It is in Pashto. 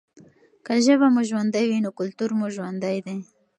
که ژبه مو ژوندۍ وي نو کلتور مو ژوندی دی.